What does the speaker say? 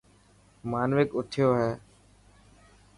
مانوڪ اٿيو هو.